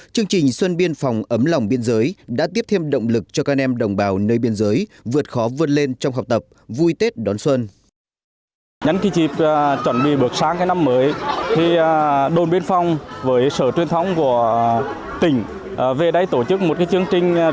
chương trình xuân biên phòng ấm lòng biên giới đã tiếp thêm động lực cho con em đồng bào nơi biên giới vượt khó vươn lên trong học tập vui tết đón xuân